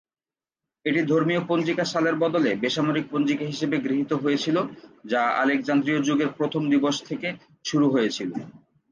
এটি ধর্মীয় পঞ্জিকা সালের বদলে বেসামরিক পঞ্জিকা হিসেবে গৃহীত হয়েছিলো যা আলেকজান্দ্রীয় যুগের প্রথম দিবস থেকে শুরু হয়েছিলো।